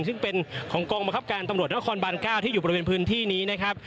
ซึ่งเป็นของกองบังคับการตำรวจนครบาน๙ที่อยู่บริเวณพื้นที่นี้นะครับ